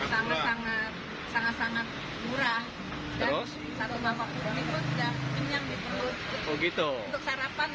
sih sangat sangat sangat sangat murah terus satu bapak burung itu sudah kenyang gitu begitu sarapan